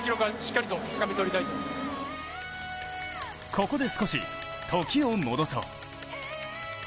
ここで少し、時を戻そう。